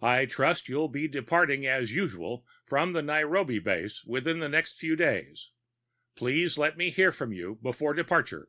I trust you'll be departing, as usual, from the Nairobi base within the next few days. Please let me hear from you before departure.